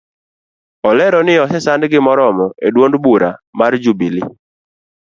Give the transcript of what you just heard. Olero ni ose sandgi moromo eduond bura mar jubilee